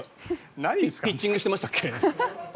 ピッチングしていましたっけ？